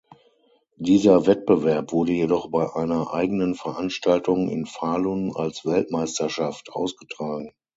Dieser Wettbewerb wurde jedoch bei einer eigenen Veranstaltung in Falun als Weltmeisterschaft ausgetragen.